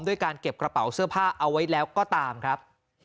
การเก็บกระเป๋าเสื้อผ้าเอาไว้แล้วก็ตามครับ